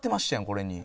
これに。